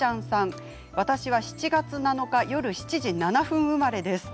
私は７月７日、夜７時７分生まれです。